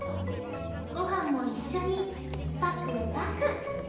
ごはんも一緒にパクパク。